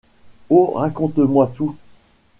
Oh raconte-moi tout.